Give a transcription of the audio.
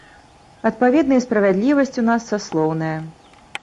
Адпаведна, і справядлівасць у нас саслоўная.